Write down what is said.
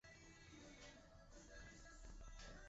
Son líneas que circulan sólo en ocasiones puntuales.